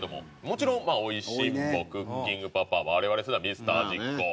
もちろん『美味しんぼ』『クッキングパパ』我々世代は『ミスター味っ子』。